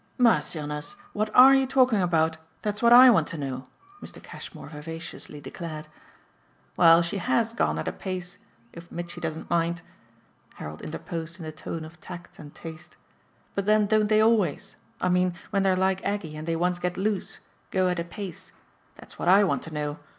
"Mercy on us, what ARE you talking about? That's what I want to know!" Mr. Cashmore vivaciously declared. "Well, she HAS gone at a pace if Mitchy doesn't mind," Harold interposed in the tone of tact and taste. "But then don't they always I mean when they're like Aggie and they once get loose go at a pace? That's what I want to know.